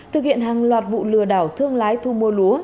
thực hiện hàng loạt vụ lừa đảo thương lái thu mua lúa